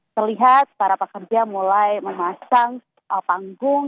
terlihat para pekerja mulai memasang panggung